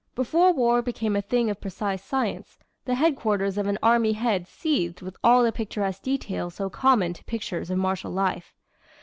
Before war became a thing of precise science, the headquarters of an army head seethed with all the picturesque details so common to pictures of martial life.